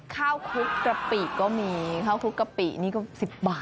คลุกกะปิก็มีข้าวคลุกกะปินี่ก็๑๐บาท